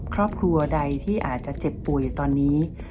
ครอบครัวใดที่อาจจะเจ็บป่วยตอนนี้